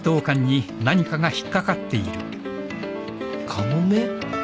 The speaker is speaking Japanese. カモメ？